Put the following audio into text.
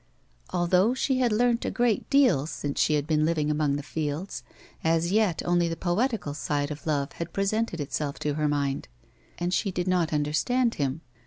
Although she had learnt a great deal since she had been living among the fields, as yet only the poetical side of love had presented itself to her mind, and she did not understand him.